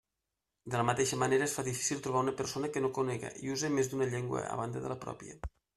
De la mateixa manera es fa difícil trobar una persona que no conega i use més d'una llengua a banda de la pròpia.